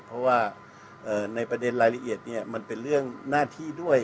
เพราะว่าในประเด็นรายละเอียดมันเป็นเรื่องหน้าที่ด้วย